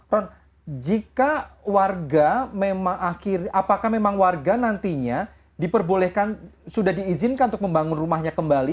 ron apakah memang warga nantinya sudah diizinkan untuk membangun rumahnya kembali